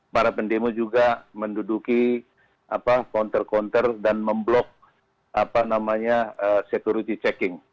para pendemo juga menduduki counter counter dan memblok security checking